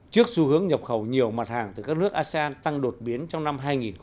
trước xu hướng nhập khẩu nhiều mặt hàng từ các nước asean tăng đột biến trong năm hai nghìn hai mươi